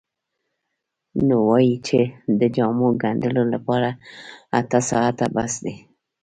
نو وایي چې د جامو ګنډلو لپاره اته ساعته بس دي.